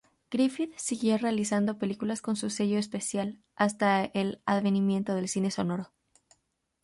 Griffith siguió realizando películas con su sello especial hasta el advenimiento del cine sonoro.